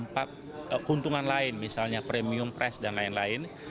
memang ada beberapa dampak keuntungan lain misalnya premium price dan lain lain